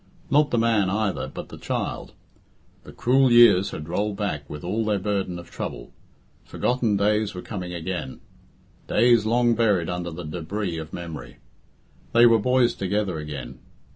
Not the man either, but the child. The cruel years had rolled back with all their burden of trouble. Forgotten days were come again days long buried under the débris of memory. They were boys together again.